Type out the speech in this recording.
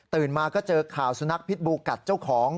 มาก็เจอข่าวสุนัขพิษบูกัดเจ้าของ